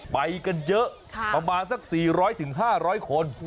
ไปกันเยอะประมาณสัก๔๐๐๕๐๐คน